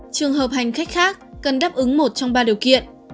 trường hợp hành khách khác cần đáp ứng một trong ba điều kiện